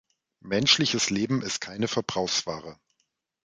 Menschliches Leben ist keine Verbrauchsware.